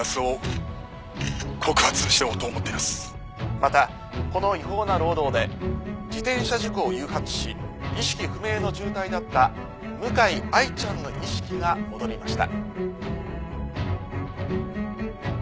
またこの違法な労働で自転車事故を誘発し意識不明の重体だった向井愛ちゃんの意識が戻りました。